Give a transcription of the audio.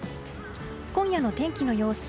今夜の天気の様子。